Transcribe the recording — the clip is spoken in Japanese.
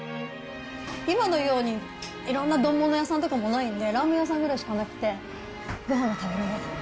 今のようにいろんな丼もの屋さんとかもないんで、ラーメン屋さんぐらいしかなくて、ごはんが食べられなかった。